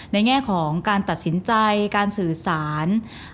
แง่ของการตัดสินใจการสื่อสาร